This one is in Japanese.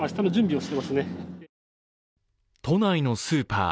都内のスーパー。